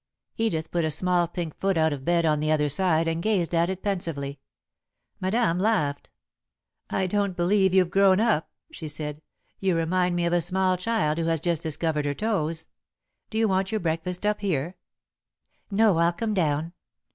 Edith put a small pink foot out of bed on the other side and gazed at it pensively. Madame laughed. "I don't believe you've grown up," she said. "You remind me of a small child, who has just discovered her toes. Do you want your breakfast up here?" "No, I'll come down.